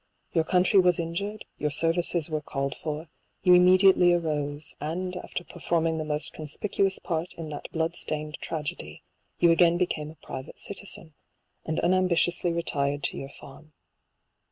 Your country was in jured , your services were called for ; you immediately arose, and after performing the most conspicuous part in that blood stained tragedy, you again became a pri vate citizen, and un ambitiously retired to your farm.